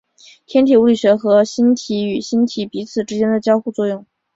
天体物理学和星体与星体彼此之间的交互作用。